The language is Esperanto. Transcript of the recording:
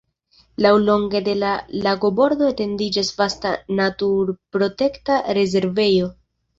Laŭlonge de la lagobordo etendiĝas vasta naturprotekta rezervejo.